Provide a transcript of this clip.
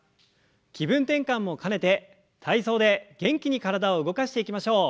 気分転換も兼ねて体操で元気に体を動かしていきましょう。